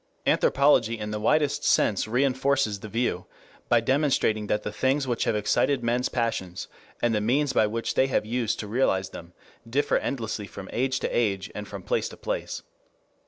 Anthropology in the widest sense reinforces the view by demonstrating that the things which have excited men's passions, and the means which they have used to realize them, differ endlessly from age to age and from place to place.